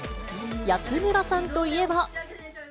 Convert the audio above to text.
安村さんといえば。